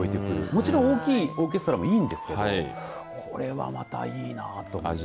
もちろん大きいオーケストラも良いんですけどこれはまた、いいなという感じが。